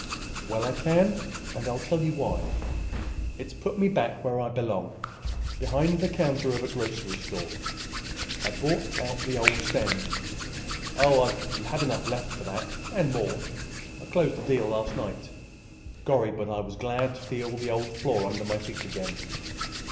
"Well, I can; and I'll tell you why. It's put me back where I belong—behind the counter of a grocery store. I've bought out the old stand. Oh, I had enough left for that, and more! Closed the deal last night. Gorry, but I was glad to feel the old floor under my feet again!"